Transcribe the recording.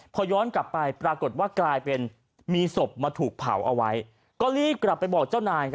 พอย้อนกลับไปปรากฏว่ากลายเป็นมีศพมาถูกเผาเอาไว้ก็รีบกลับไปบอกเจ้านาย